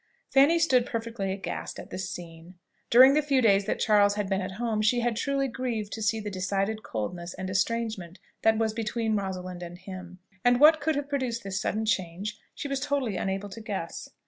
Fanny stood perfectly aghast at this scene. During the few days that Charles had been at home she had truly grieved to see the decided coldness and estrangement that was between Rosalind and him; and what could have produced this sudden change she was totally unable to guess.